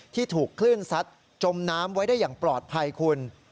ที่ถูกคลื่นซัดจมน้ำไว้ได้อย่างปลอดภัยคุณ